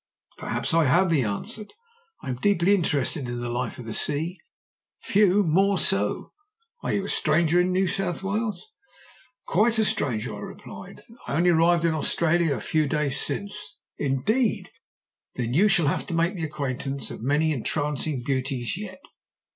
"'Perhaps I have,' he answered. 'I am deeply interested in the life of the sea few more so. Are you a stranger in New South Wales?' "'Quite a stranger,' I replied. 'I only arrived in Australia a few days since.' "'Indeed! Then you have to make the acquaintance of many entrancing beauties yet.